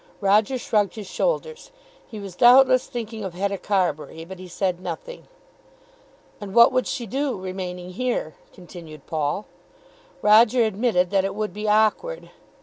Roger shrugged his shoulders. He was doubtless thinking of Hetta Carbury, but he said nothing. "And what would she do, remaining here?" continued Paul. Roger admitted that it would be awkward.